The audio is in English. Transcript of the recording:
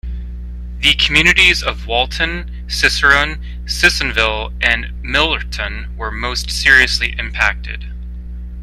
The communities of Walton, Cicerone, Sissonville, and Millertown were most seriously impacted.